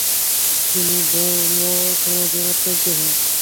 তিনি ব্রহ্মসমাজের আচার্য হন।